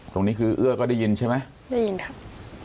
ตรงนี้คือเอื้อก็ได้ยินใช่ไหมได้ยินครับ